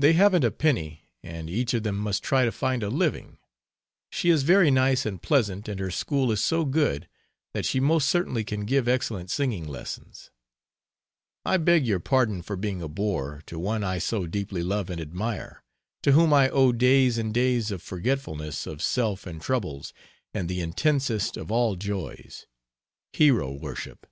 They haven't a penny and each of them must try to find a living. She is very nice and pleasant and her school is so good that she most certainly can give excellent singing lessons. I beg your pardon for being a bore to one I so deeply love and admire, to whom I owe days and days of forgetfulness of self and troubles and the intensest of all joys: Hero worship!